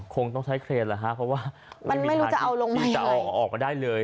คงต้องใช้เครนเหรอคะเพราะว่ามีทางออกมาได้เลย